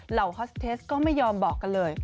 ฮอสเทสก็ไม่ยอมบอกกันเลย